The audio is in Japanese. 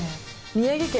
「宮城県